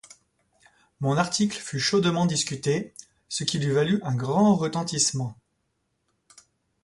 Mon article fut chaudement discuté, ce qui lui valut un grand retentissement.